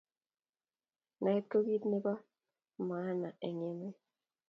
Naet ko kit po maana eng emet